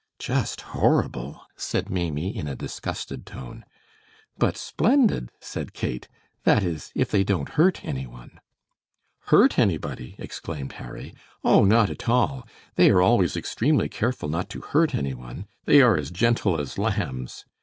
"Just horrible!" said Maimie, in a disgusted tone. "But splendid," said Kate; "that is, if they don't hurt any one." "Hurt anybody!" exclaimed Harry. "Oh, not at all; they are always extremely careful not to hurt any one. They are as gentle as lambs.